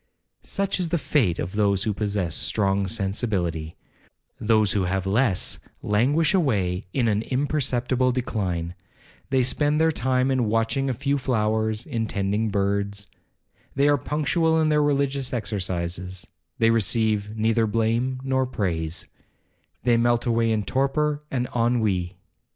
'Such is the fate of those who possess strong sensibility; those who have less languish away in an imperceptible decline. They spend their time in watching a few flowers, in tending birds. They are punctual in their religious exercises, they receive neither blame or praise,—they melt away in torpor and ennui.